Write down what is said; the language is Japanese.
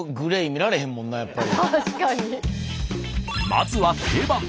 まずは定番。